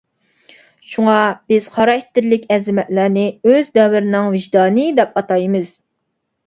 شۇڭا بىز خاراكتېرلىك ئەزىمەتلەرنى ئۆز دەۋرىنىڭ ۋىجدانى دەپ ئاتايمىز.